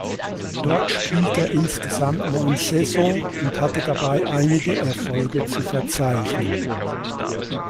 Dort spielt er insgesamt neun Saisons und hatte dabei einige Erfolge zu verzeichnen.